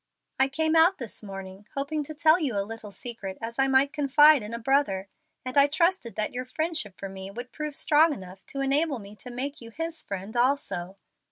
"I came out this morning hoping to tell you a little secret as I might confide in a brother, and I trusted that your friendship for me would prove strong enough to enable me to make you his friend also.